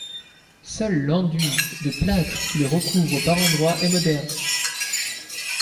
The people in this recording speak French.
Seul l'enduit de plâtre qui les recouvre par endroits est moderne.